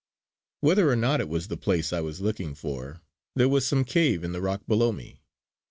Whether or no it was the place I was looking for, there was some cave in the rock below me.